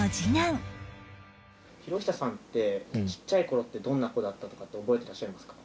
博久さんってちっちゃい頃ってどんな子だったとかって覚えていらっしゃいますか？